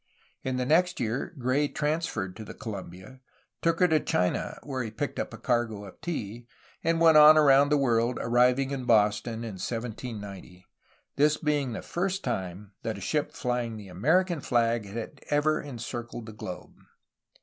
In the next year Gray transferred to the Columbia, took her to China (where he picked up a cargo of tea), and went on around the world, arriving in Boston in 1790, this being the first time that a ship flying the American flag had ever encircled the globe.